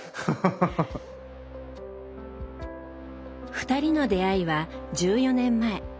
２人の出会いは１４年前。